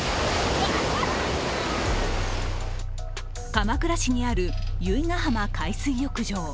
鎌倉市にある由比ガ浜海水浴場。